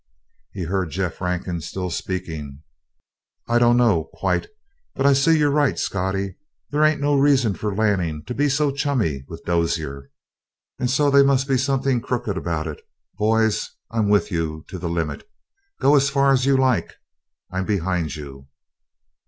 He heard Jeff Rankin still speaking: "I dunno, quite. But I see you're right, Scottie. They ain't any reason for Lanning to be so chummy with Dozier. And so they must be somethin' crooked about it. Boys, I'm with you to the limit! Go as far as you like. I'm behind you!"